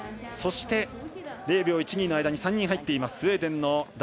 そして０秒３の間に３人入っています。